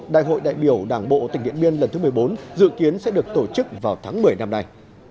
đại hội đại biểu đảng bộ tỉnh điện biên lần thứ một mươi bốn dự kiến sẽ được tổ chức vào tháng một mươi năm nay